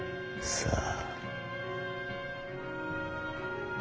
さあ！